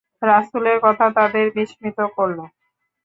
রাসূলের কথা তাদের বিস্মিত করল।